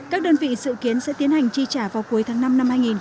các đơn vị sự kiến sẽ tiến hành chi trả vào cuối tháng năm năm hai nghìn hai mươi